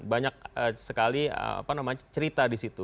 banyak sekali apa namanya cerita di situ